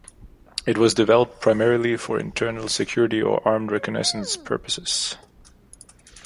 It was developed primarily for internal security or armed reconnaissance purposes.